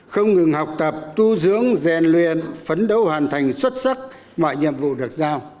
không ngừng học tập tu dưỡng rèn luyện phấn đấu hoàn thành xuất sắc mọi nhiệm vụ được giao